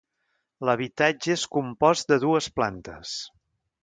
L'habitatge és compost de dues plantes.